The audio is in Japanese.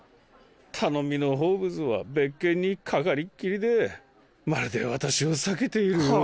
頼みのホームズは別件にかかりっきりでまるで私を避けているようだし。